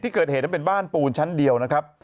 เกิดเหตุนั้นเป็นบ้านปูนชั้นเดียวนะครับ